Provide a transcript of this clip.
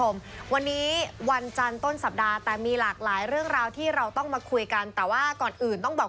ไม่หวนอื่นกับทางด้านเดียว